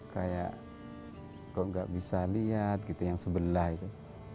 kayak kok nggak bisa lihat gitu yang sebelah itu